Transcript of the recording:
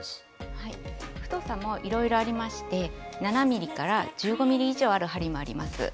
太さもいろいろありまして７．０ｍｍから１５ｍｍ以上ある針もあります。